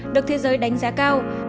được thế giới đánh giá cao